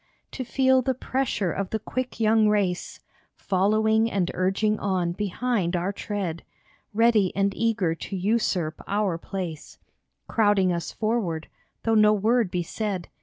To feel the pressure of the quick young race Following and urging on behind our tread, Ready and eager to usurp our place, Crowding us forward, though no word be said